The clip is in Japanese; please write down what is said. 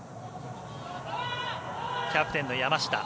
キャプテンの山下。